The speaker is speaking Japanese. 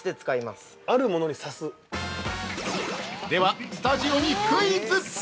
◆では、スタジオにクイズ。